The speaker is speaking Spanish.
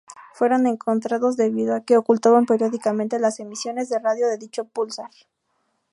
Fueron encontrados debido a que ocultaban periódicamente las emisiones de radio de dicho púlsar.